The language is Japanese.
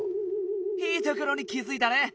いいところに気づいたね！